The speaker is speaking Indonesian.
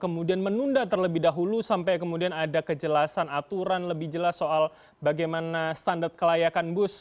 kemudian menunda terlebih dahulu sampai kemudian ada kejelasan aturan lebih jelas soal bagaimana standar kelayakan bus